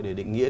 để định nghĩa